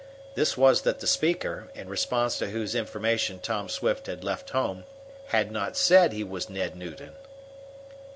This was that the speaker, in response to whose information Tom Swift had left home, had not said he was Ned Newton.